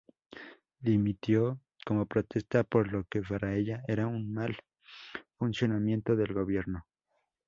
Dimitió como protesta por lo que para ella era un mal funcionamiento del gobierno.